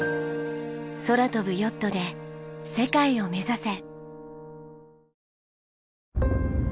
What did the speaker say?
空飛ぶヨットで世界を目指せ。